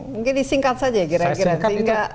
mungkin disingkat saja ya kira kira